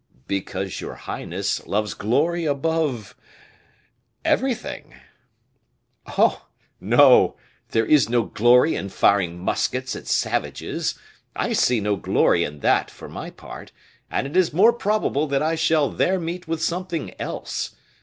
"Because your highness loves glory above everything." "Oh! no; there is no glory in firing muskets at savages. I see no glory in that, for my part, and it is more probable that I shall there meet with something else.